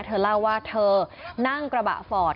เธอเล่าว่าเธอนั่งกระบะฟอร์ด